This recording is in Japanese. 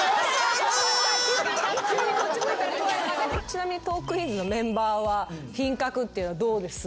ちなみにトークィーンズのメンバーは品格ってどうです？